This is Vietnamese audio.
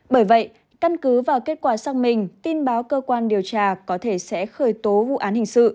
bởi vậy căn cứ vào kết quả sang mình tin báo cơ quan điều tra có thể sẽ khởi tố vụ án hình sự